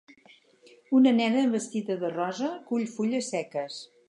Una nena vestida de rosa cull fulles seques.